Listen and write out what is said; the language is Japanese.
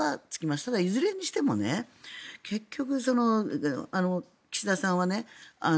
ただ、いずれにしても結局、岸田さんはね